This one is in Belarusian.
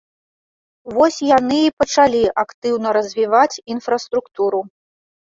Вось яны і пачалі актыўна развіваць інфраструктуру.